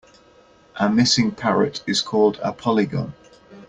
A missing parrot is called a polygon.